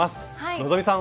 希さん